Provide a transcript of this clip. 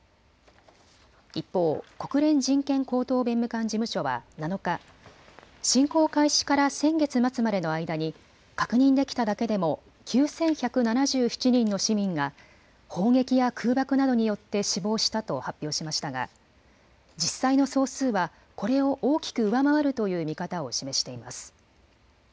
一方、国連人権高等弁務官事務所は７日、侵攻開始から先月末までの間に確認できただけでも９１７７人の市民が砲撃や空爆などによって死亡したと発表しましたが実際の総数はこれを大きく上回るという見方を示しています。